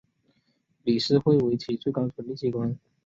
理事会为其最高权力机关。